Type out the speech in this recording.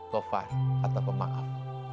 khafar atau pemaaf